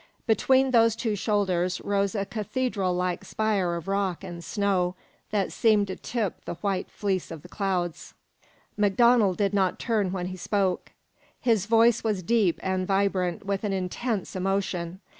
Between those two shoulders rose a cathedral like spire of rock and snow that seemed to tip the white fleece of the clouds. MacDonald did not turn when he spoke. His voice was deep and vibrant with an intense emotion.